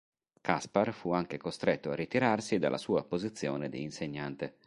Kaspar fu anche costretto a ritirarsi dalla sua posizione di insegnante.